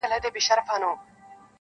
نهار خوښ یم په ښکار نه ځم د چنګښو-